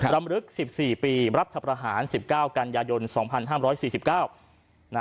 รำลึก๑๔ปีรัฐประหาร๑๙กันยายน๒๕๔๙